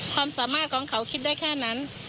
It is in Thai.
ความสามารถของเขาคิดได้แค่นั้น